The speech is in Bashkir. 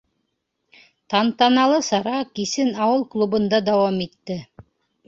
Тантаналы сара кисен ауыл клубында дауам итте.